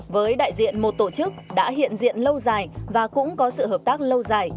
với đại diện một tổ chức đã hiện diện lâu dài và cũng có sự hợp tác lâu dài